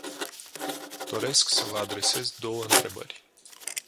Doresc să vă adresez două întrebări.